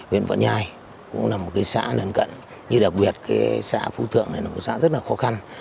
đây cũng là một cái xã nằm cận như đặc biệt cái xã phú thượng này là một xã rất là khó khăn